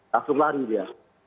langsung lari dia